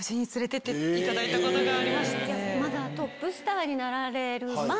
まだトップスターになられる前。